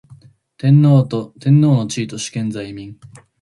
天皇の地位と主権在民